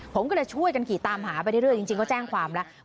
ผมก็เลยช่วยกันขี่ตามหาไปเรื่อยจริงก็แจ้งความแล้ว